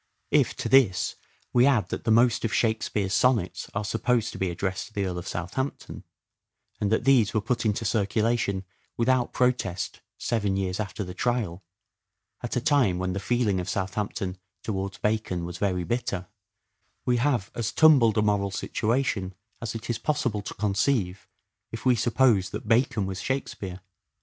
If, to this, we add that the most of " Shakespeare's " sonnets are supposed to be addressed to the Earl of Southampton, and that these were put into circulation without protest seven years after the trial, at a time when the feeling of Southampton towards Bacon was very bitter, we have as tumbled a moral situation as it is possible to conceive if we suppose that Bacon was " Shakespeare."